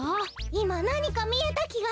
いまなにかみえたきが。